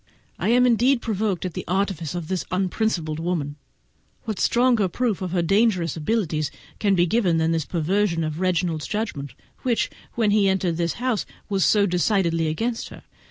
I am, indeed, provoked at the artifice of this unprincipled woman; what stronger proof of her dangerous abilities can be given than this perversion of Reginald's judgment, which when he entered the house was so decidedly against her!